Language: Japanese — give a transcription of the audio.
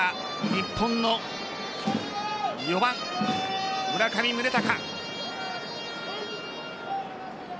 日本の４番村上宗隆。